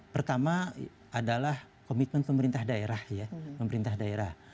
pertama adalah komitmen pemerintah daerah ya pemerintah daerah